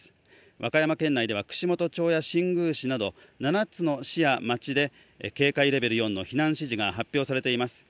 和歌山県内では串本町や新宮市など７つの市や町で警戒レベル４の避難指示が発表されています。